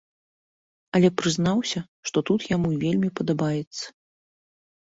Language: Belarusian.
Але прызнаўся, што тут яму вельмі падабаецца.